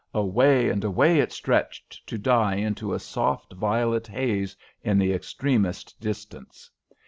Away and away it stretched to die into a soft, violet haze in the extremest distance.